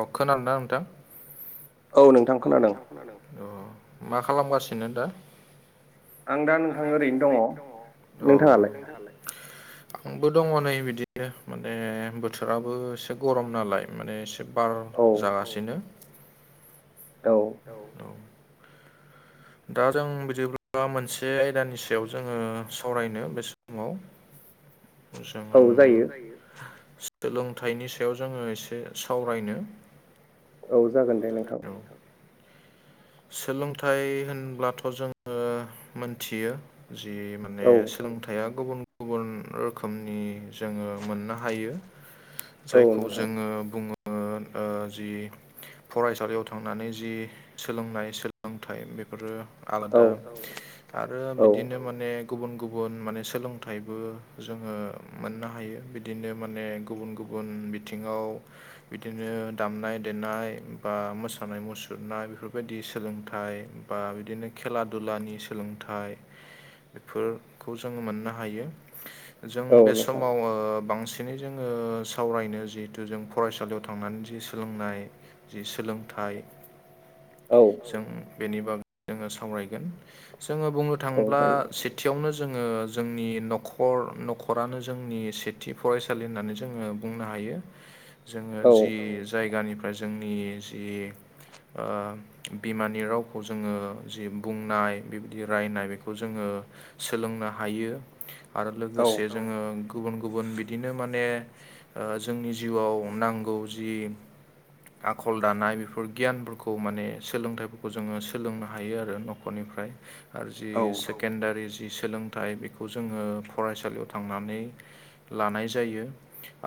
अ खोनादों ना नोंथां? औ नोंथां खोनादों औ मा खालामगासिनो दा? आं दा नोंथां ओरैनो दङ नोंथाङालाय? [inaudible] आंबो दङ नै बिदिनो माने बोथोराबो एसे गरम नालाय माने सो बार जागासिनो औ औ औ दा जों बिदिब्ला मोनसे आयदानि सायाव जोङो सावरायनो बे समाव [unintelligible] औ जायो। सोलोंथाइनि सायाव जोङो एसे सावरायनो औ जागोन दे नोंथां। सोलोंथाइ होनब्लाथ' जोङो मोनथियो जिम माने सोलोंथाइया गुबुन गुबुन रोखोमनि जोङो मोननो हायो। जायखौ जोङो बुङो ओ ओ जि फरायसालियाव थांनानै जि सोलोंनाय सोलोंथाइ बेफोरो आलादा आरो बिदिनो माने गुबुन गुबुन माने सोलोंथाइबो जोङो मोननो हायो बिदिनो माने गुबुन गु बुन बिथिङाव बिदिनो दामनाय देनाय बा मोसानाय मुसुरनाय बेफोर बायदि सोलोंथाइ बा बिदिनो खेला दुलानि सोलोंथाइ बेफोरखौ जों मोननो हायो जों बे समाव ओ बांसि नै जोङो सावरायनो जिहेथु जों फरायसालियाव थांनानै जि सोलोंनाय जि सोलोंथाइ औ जों बेनि बागै जोङो सावरायगोन जोङो बुंनो थाङोब्ला सिथ थियावनो जोङो जोंनि न'खर न'खरानो जोंनि सेथि फरायसा सालि होननानै जोङो बुंनो हायो। जोङो जि जायगानिफ्राय जोंनि जि ओ बिमानि रावखौ जोङो जि बुंनाय बेबायदि रायनाय बेखौ जोङो सोलोंनो हायो आरो लोगोसे जोङो गुबुन गुबुन बिदिनो माने ओ जोंनि जिउआव नांगौ जि आखल दानाय बेफोर गियानफोरखौ माने सोलोंथाइफोरखौ जोङो सोलोंनो हायो आरो न'खरनिफ्राय आरो जि सो सेकेणडारि जि सोलोंथाइ बेखौ जोङो फरायसालियाव थांनानै लानाय जायो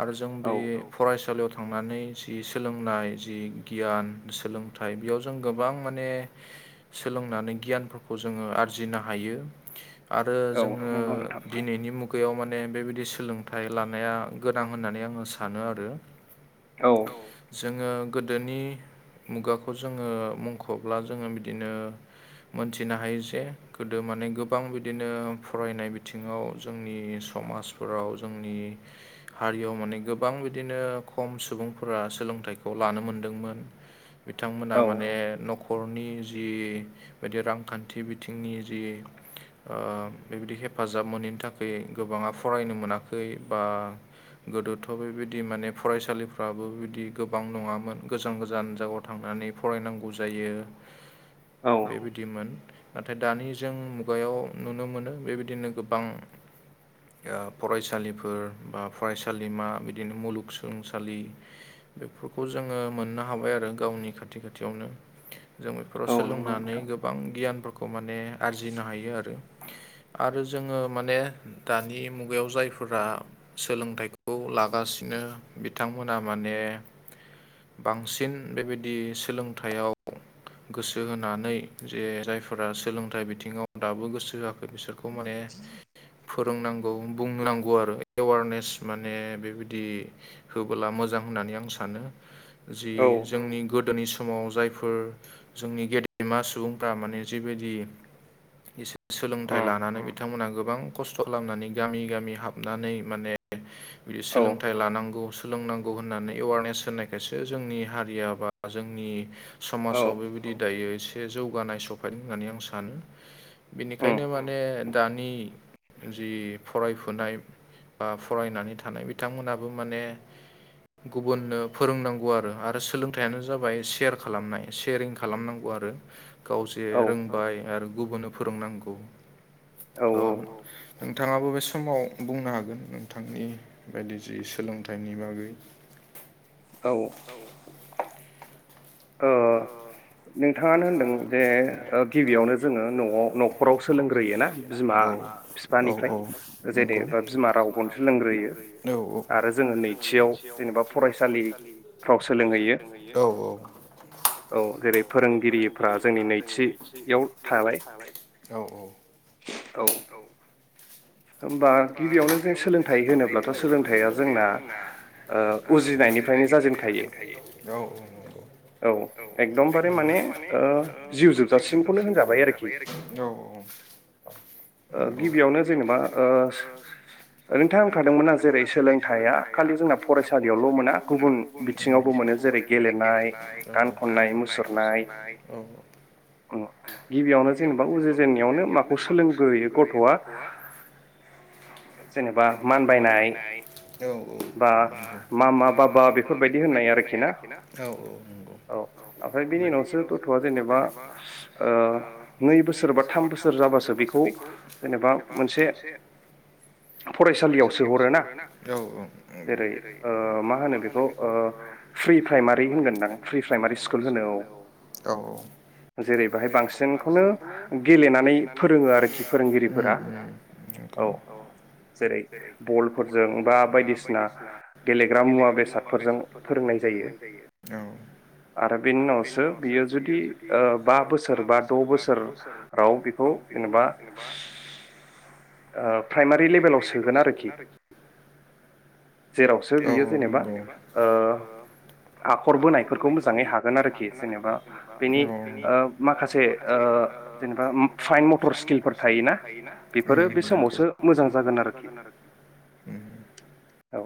आरो जों बे फरायसालियाव थांनानै जि सोलोंनाय जि गियान सोलोंथाइ बेयाव जों गोबां माने सोलोंनानै गियानफोरखौ जोङो आरजिनो हायो। आरो जोङो दिनैनि मु गायाव माने बेबायदि सोलोंथाइ लानाया गोनां होननानै आङो सानो आरो औ जोङो गोदोनि मुगाखौज जोङो मुंखब्ला जोङो बिदिनो मोनथिनो हायो जे गोदो माने गोबां बिदिनो फरायनाय बिथिङाव जोंनि सु समाजफोराव जोंनि हारियाव माने गोबां बिदिनो खम सुबुंफोरा सोलोंथाइखौ लानो मोनदोंमोन। बिथांमोना माने न'ख खरनि जि बायदि रांखान्थि बिथिंनि जि ओ बेबायदि हेफाजाब मोनैनि थाखाय गोबाङा फरायनो मोनाखै बा गोदोथ' बेबायदि माने फरायसालिफ्राबो बिदि गोबां नङामोन गोजान गोजान [unintelligible] थांनानै फरायनांगौ जायो बेबायदिमोन। नाथाय दानि जों मुगायाव नुनो मोनो बेबायदिनो गोबां ओ फरायसालिफोर बा फरायसालिमा बिदिनो मुलुगसोलोंसालि बेफोरखौ जोङो मोननो हाबाय आरो गावनि खाथि खाथियावनो। जों बेफोराव सोलोंनानै गोबां गियानफोरखौ माने आरजिनो हायो आरो। आरो जोङो माने दानि मुगायाव जायफोरा सोलोंथाइ खौ लागासिनो बिथांमोना माने बांसिन बेबायदि सोलोंथायाव गोसो होनानै जे जायफोरा सोलोंथाइ बिथिङाव दाबो गोसो होआखै बिसोर खौ माने फोरोंनांगौ बुंनो नांगौ आरो एवारनेस माने बेबायदि होबोला मोजां होननानै आं सानो। जि जोंनि गोदोनि समाव जायफोर जोंनि गेदेमा सुबुंफ्रा माने जिबादि एस [unintelligible] सोलोंथाइ लानानै बिथांमोना गोबां खस्थ' खालामनानै गामि गामि हाबनानै माने बिदि सोलोंथाइ लानांगौ सोलोंनांगौ होननानै एवारनेस होननायखायसो जोंनि हारिया बा जोंनि समासाव बेबाय बि दायो एसे जौगानाय सफायदों होननानै आं सानो। बेनिखायनो माने दानि जि फरायफुनाय बा फरायनानै थानाय बिथांमोनाबो माने गुबुननो फोरोंनांगौ आरो सोलोंथायानो जाबाय सेयार खालामनाय सेयारिं खालामनांगौ आरो। गावसे रोंबाय आरो गुबुननो फोरोंनांगौ थ' नोंथाङाबो बे समाव बुंनो हागोन नोंथांनि बायदि जि सोलोंथाइनि बागै। औ ओ नोंथाङानो होनदों जे गिबियावनो जोङो न'आव न'खराव सोलोंग्रोयोना। औ औ औ नंगौ बिमा राव खौनो सोलोंग्रोयो औ औ आरो जों नैथियाव जेनबा फरायसालि फ्राव सोलोंहैयो। औ औ औ जेरै जेरै फोरोंगिरिफ्रा जोंनि नैथियाव थाबाय। औ औ औ होनबा गिबियावनो जों सोलोंथाइ होनोब्लाथ' सोलोंथाइया जोंना उज्रिनायनिफ्रायनो जाजेनखायो। औ औ औ एकदमबारे माने ओ जिउ जोबजासिमखौनो होजाबाय आरोखि। औ औ [inaudible] गिबियावनो जेनेबा जेनेबा ओ नोंथांआ होंखादोंमोनना जेरै सोलोंथाइआ खालि जोंना फरायसालियावल' मोना गुबुन गुबुन बिथिङावबो मोनो जेरै गेलेनाय गान खननाय मुसुरनाय अ गिबियावनो जेनेबा उजि जेननायावनो माखौ सोलोंग्रोयो गथ'आ [unintelligible] जेनेबा मानबायनाय बा मा मा बाबा बेफोरबायदि होननाय आरोखि ना। औ ओमफ्राय बिनि उनावसो गथ'आ जेनेबा ओ नै बोसोर बा थाम बोसोर जाबासो बेखौ जेनेबा मोनसे से फरायसालियाव सोहरोना औ औ नंगौ जेरै मा होनो बेखौ प्रि प्राइमारि होनगोनदां प्रि प्राइमारि स्कुल होनो औ। औ औ जेरै बाहाय बांसिनखौनो गेलेनानै फोरोङो आरोखि फोरोंगिरिफोरा। नोंखौ औ जेरै बलफोरजों बा बायदिसिना गेलेग्रा मुवा बेसादफोरजों फोरोंनाय जायो। औ। आरो बेनि उनावसो बियो जुदि ओ बा बोसोर बा द' बोसोर फ्राव बेखौ जेनेबा ओ प्राइमारि लेभेलाव सोगोन आरोखि। जेरावसो बियो जेनेबा ओ आखर बोनायफोरखौ मोजाङै हागोन आरोखि जेनेबा बेनि ओ माखासे माखासे ओ फाइन मटर स्किलफोर थायोना बेफोर समावसो मोजां जागोन आरोखि। औ।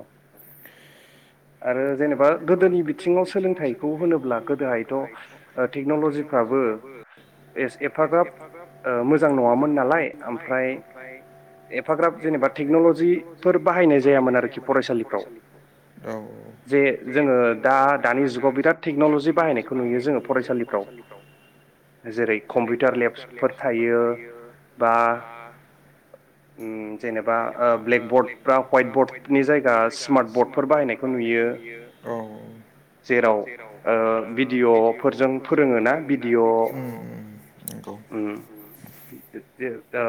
आरो जेनेबा गोदोनि बिथिङाव सोलोंथाइखौ होनोब्ला गोदोहायथ' ओ टेक्न'ल'जिफ्राबो एस एफाग्राब ओ मोजां नङामोन नालाय ओमफ्राय एफाग्राब जेनेबा टेक्न'ल'जिफोर बाहायनाय जायामोन आरोखि फरायसालिफ्राव। औ। जे जोङो दा दानि जुगाव बिराद टेक्न'लजि बाहायनायखौ नुयो जोङो फरायसालिफ्राव। जेरै कम्पिउटार लेब्सफोर थायो बा ओम जेनेबा ओ ब्लेक बर्ड बा ह्वाइट बर्डनि जायगा स्मार्ट बर्डफोर बाहायनायखौ नुयो। थ' नुयो औ। जेराव ओ भिडिअ'फोरजों फोरोङोना भिडिअ' ओम। जे ओ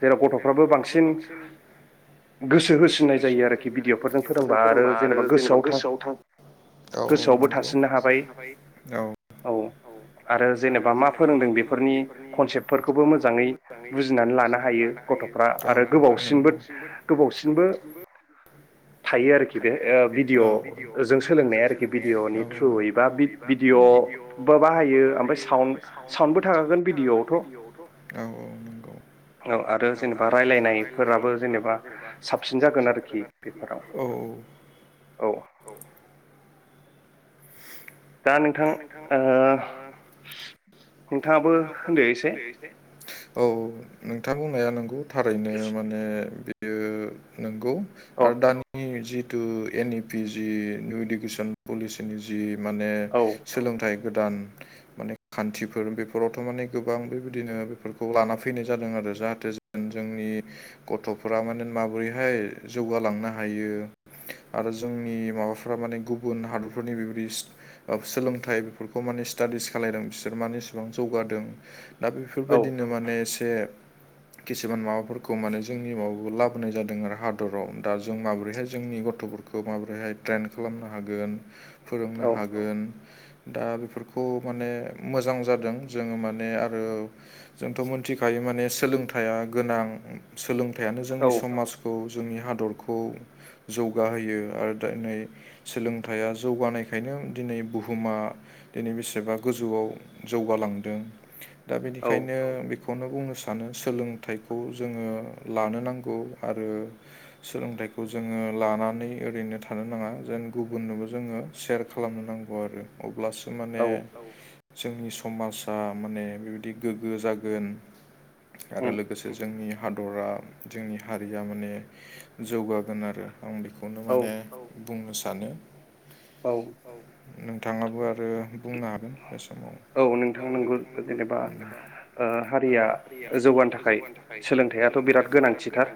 जेराव गथ'फ्राबो बांसिन गोसो होसिननाय जायो आरोखि भिडिअ'फोरजों फोरोंबा आरो आरो जेनेबा गोसोआव थां औ नोंगौ औ। आरो जेनेबा मा फोरोंदों बेफोरनि कनसेप्टफोरखौबो मोजाङै बुजिनानै लानो हायो गथ'फ्रा आरो गोबावसिनबो गोबावसिनबो थायो आरो खि बे ओ भिदिअ जों सोलोंनायाय आरोखि भिदिअ नि थ्रुयै बा भिडिअ बा बाहायो ओमफ्राय साउड साउन्डबो थाखागोन भिडिअ आवथ'। औ औ नंगौ। औ आरो जेनेबा रायलायनायफोराबो जेनेबा साबसिन जागोन आरोखि बेफोराव। औ। औ। औ। दा नोंथां ओ नोंथाङाबो होनदो एसे। औ नोंथां बुंनाया नंगौ थारैनो माने बेयो नंगौ आरो दान नि जिथु एन इ पि जि निउ इडुकेसन पलिसिनि जि माने सोलोंथाइ गोदान माने खान्थिफोर बे फोरावथ' माने गोबां बेबायदिनो बेफोरखौ लाना फैनाय जादों आरो जाहाथे जों जोंनि गथ'फोरा माने माबोरैहाय जौगालांनो हायो। आरो जोंनि माबाफ्रा माने गुबुन हादरफोरनि बेबायदि सोलोंथाइ बेफोरखौ माने स्टाडिस खालायदों बिसोर माने बेसेबां जौगादों दा बेफोरबायदिनो माने एसे किसुमान माबाफोरखौ माने जोंनि माबो लाबोनाय जादों आरो हादराव दा जों माबोरैहाय जोंनि गथ'फोर खौ माबोरैहाय ट्रेन खालामनो हागोन। फोरोंनो हागोन दा बेफोरखौ माने मोजां जादों जोङो माने आरो जोंथ' मोनथिखायो माने सोलोंथाइया गोनां। सोलोंथाइयानो जोंनि समाजखौ जोंनि हादरखौ। जौगाहोयो आरो दा नै। सोलोंथाइया जौगानायखायनो दिनै बुहुमा दिनै बेसेबा गोजौआव। जौगालांदों दा बेनिखायनो बे। बेखौनो बुंनो सानो सोलोंथाइखौ जोंङो लानो नांगौ आरो। सोलोंथाइखौ जोंङो लानानै ओरैनो थानो नाङा जेन गुबुननोबो जोंङो। सेयार खालामनो नांगौ आरो अब्लासो माने। जोंनि समाजा माने बेबायदि गोग्गो जागोन। आरो लोगोसे जोंनि हादरा जोंनि हारिया माने। जौगागोन आरो आं बेखौनो माने औ बुंनो सानो। औ। औ नोंथांङाबो आरो बुंनो हागोन गोसो औ नोंथां नोंगौ जेनेबा। ओ हारिया जौगानो थाखाय सोलोंथाइाथ' बिराद गोनांथिथार।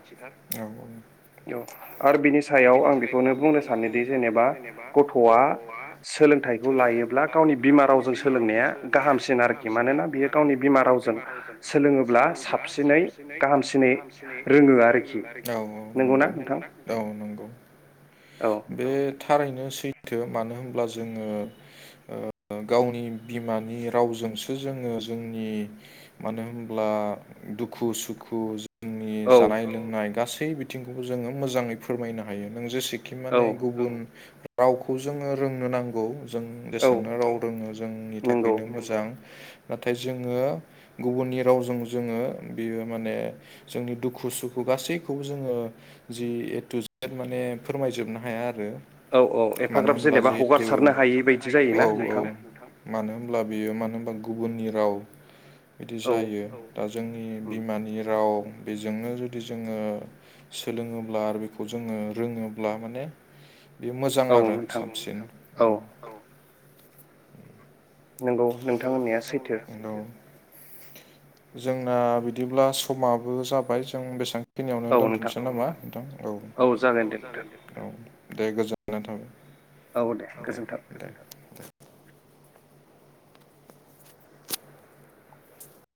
औ आरो बिनि सायाव आं बेखौनो बुंनो सानोदि जेनेबा गथ'आ। सोलोंथाइखौ लायोब्ला गावनि बिमा रावजों सोलोंनाया। गाहामसिन आरोखि मानोना बियो गावनि बिमा रावजों सोलोङोब्ला साबसिनै। दिनै गाहामसिनै रोंगो आरोखि औ औ नोंगौ नंगौ ना? औ नंगौ बे थारैनो सैथो मानो होनब्ला जोंङो। गावनि बिमानि रावजोंसो जोंङो जोंनि। मानो होनब्ला दुखु सुखु। जोंनि जानाय लोंनाय गासै बिथिंखौबो जोंङो मोजाङै फोरमायनो हायो नों जेसे। खि माने गुबुन रावखौ जोंङो रोंनो नांगौ जों जेसांनो राव रोंङो जोंनि थाखायनो मोजां। नाथाय जोंङो गुबुननि रावजों जोंङो बेयो माने। जोंनि दुखु सुखु गासैखौबो जोंङो। जि ए टु जेद माने फोरमायजोबनो हाया आरो। मानो होनब्ला जिहेतु औ औ। मानो होनोमब्ला बेयो मानो होनबा गुबुननि राव बिदि जायो दा जोंनि बिमानि राव बेजोंनो जुदि जोंङो। सोलोङोब्ला आरो बेखौ जोंङो रोंङोब्ला माने। बे मोजां आरो साबसिन ओ औ। नंगौ नोंथां होननाया नोंगौ जोंना बिदिब्ला समाबो जाबाय जों बेसें खिनियावनो दोनथ'सै नामा नोंथां औ औ जागोदे औ दे गोजोननाय थाबाय। औ दे गोजोन्थों [inaudible]